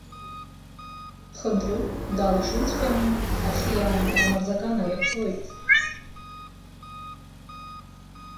Хынтрыгә далашыҩкҵәҟьаны Ахьиаа рмырзакан аирҳәоит.